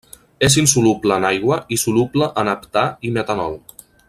És insoluble en aigua i soluble en heptà i metanol.